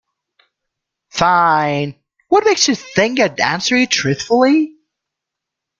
Fine, what makes you think I'd answer you truthfully?